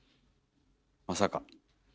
まさか。